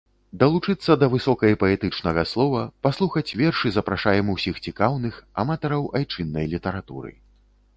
Далучыцца да высокай паэтычнага слова, паслухаць вершы запрашаем усіх цікаўных, аматараў айчыннай літаратуры.